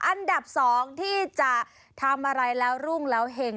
อันดับ๒ที่จะทำอะไรแล้วรุ่งแล้วเห็ง